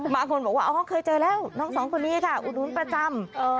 บางคนบอกว่าเคยเจอแล้วน้องสองคนนี้ค่ะอุดหนุนประจำ